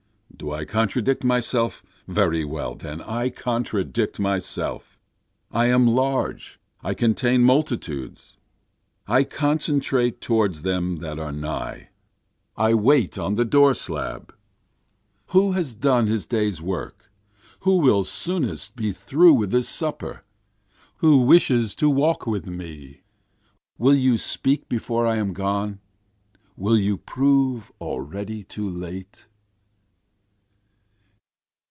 Do I contradict myself? Very well then I contradict myself, (I am large, I contain multitudes.) I concentrate toward them that are nigh, I wait on the door slab. Who has done his day's work? who will soonest be through with his supper? Who wishes to walk with me? Will you speak before I am gone? will you prove already too late?